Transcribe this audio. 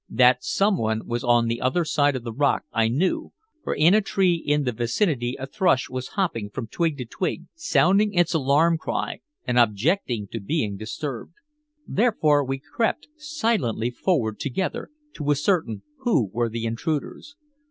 That someone was on the other side of the rock I knew, for in a tree in the vicinity a thrush was hopping from twig to twig, sounding its alarm cry and objecting to being disturbed. Therefore we crept silently forward together to ascertain who were the intruders.